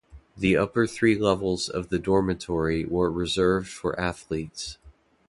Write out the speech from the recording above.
The upper three levels of the dormitory were reserved for athletes.